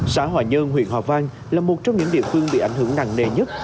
xã hòa nhơn huyện hòa vang là một trong những địa phương bị ảnh hưởng nặng nề nhất